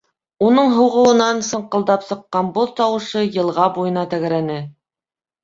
Уның һуғыуынан сыңҡылдап сыҡҡан боҙ тауышы йылға буйына тәгәрәне.